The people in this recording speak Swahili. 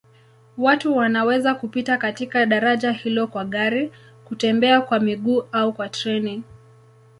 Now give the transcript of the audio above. Watu wanaweza kupita katika daraja hilo kwa gari, kutembea kwa miguu au kwa treni.